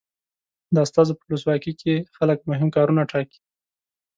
د استازو په ولسواکي کې خلک مهم کارونه ټاکي.